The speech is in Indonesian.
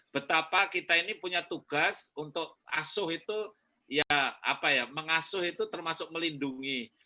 betapa kita ini punya tugas untuk asuh itu ya apa ya mengasuh itu termasuk melindungi